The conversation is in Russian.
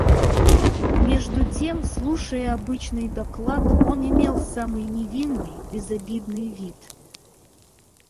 Между тем, слушая обычный доклад, он имел самый невинный, безобидный вид.